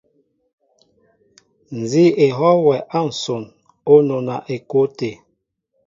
Nzi éhoo wɛ a nson o nɔna o ko té.